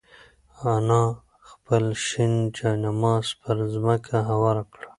انا خپل شین جاینماز پر ځمکه هوار کړ.